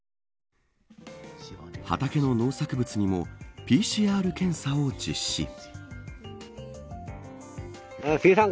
畑の農作物にもＰＣＲ検査を実施。